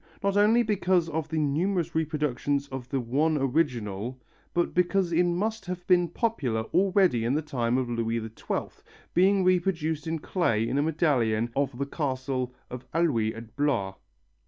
Not only because of the numerous reproductions of the one original but because it must have been popular already in the time of Louis XII, being reproduced in clay in a medallion of the castle of Alluye at Blois.